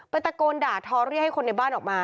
ตะโกนด่าทอเรียกให้คนในบ้านออกมา